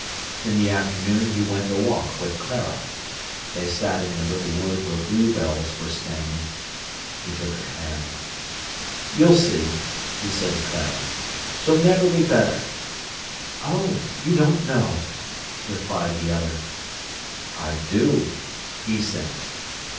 In the afternoon he went a walk with Clara. They sat in the little wood where bluebells were standing. He took her hand. "You'll see," he said to Clara, "she'll never be better." "Oh, you don't know!" replied the other. "I do," he said.